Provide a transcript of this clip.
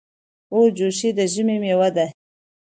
اوجوشي د ژمي مېوه ده.